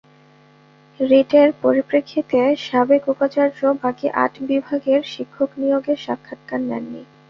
রিটের পরিপ্রেক্ষিতে সাবেক উপাচার্য বাকি আট বিভাগের শিক্ষক নিয়োগের সাক্ষাৎকার নেননি।